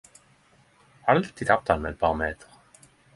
Alltid tapte han med eit par meter